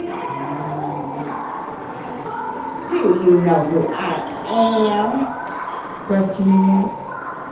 Another long wait. "Do you know who I am?" questioned the ape.